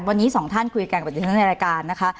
วันนี้๒ท่านคุยกันกับอันดับในรายการนะคะ